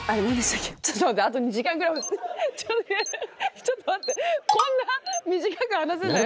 ちょっと待って。